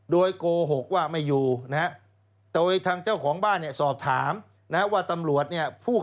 โดยโกหกว่าไม่อยู่